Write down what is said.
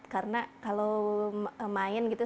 karena kalau main gitu